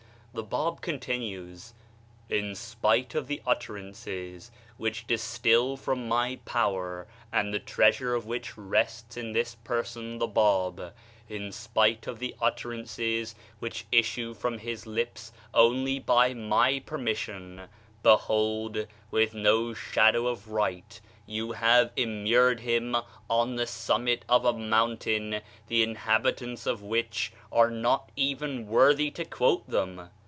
The Bab continues: "In spite of the utter ances which distill from My power, and the treasure of which rests in this person, the Bab, in spite of the utterances which issue from his lips only by My permission, behold, with no shadow of right, you have immured him on the summit of a mountain the inhabitants of which are not even worthy to quote them